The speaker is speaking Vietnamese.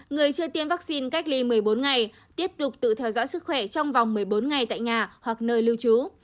người chưa tiêm vaccine cách ly một mươi bốn ngày tiếp tục tự theo dõi sức khỏe trong vòng một mươi bốn ngày tại nhà hoặc nơi lưu trú